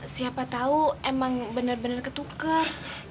siapa tahu emang bener bener ketukar